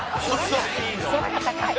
「空が高い！」